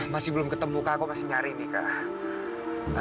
masih belum ketemu kak aku masih nyari nih kak